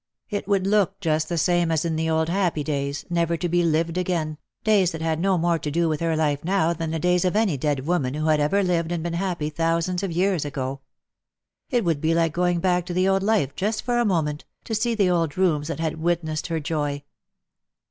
It would look just the same as in the old happy days, never to be lived again — days that had no more to do with her life now than the days of any dead woman who had ever lived and been happy thousands of years ago. It would be like going back to the old life just for a moment, to see the old rooms that had witnessed her joy.